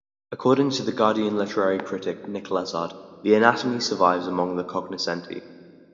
According to "The Guardian" literary critic Nick Lezard, the "Anatomy" "survives among the cognoscenti".